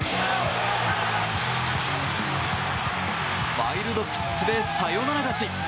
ワイルドピッチでサヨナラ勝ち！